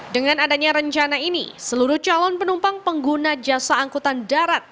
dengan adanya rencana ini seluruh calon penumpang pengguna jasa angkutan darat